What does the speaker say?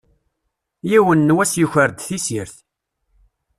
Yiwen n wass yuker-d tissirt.